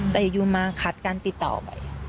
แต่อยู่มาคัดการติดต่อไป